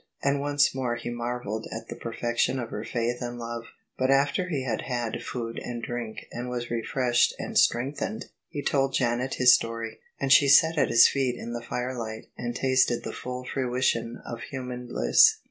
And once more he marvelled at the perfection of her faith and love. But after he had had food and drink and was refreshed and strengthened, he told Janet his story. And she sat at his feet in the firelight, and tasted the full fruition of human bliss.